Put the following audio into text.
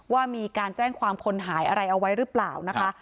ว่ามีการแจ้งความคนหายอะไรเอาไว้หรือเปล่านะคะ